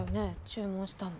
注文したの。